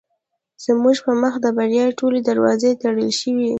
زموږ په مخ د بریا ټولې دروازې تړل شوې دي.